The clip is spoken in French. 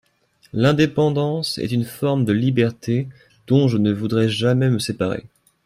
L'indépendance est une forme de liberté dont je ne voudrais jamais me séparer.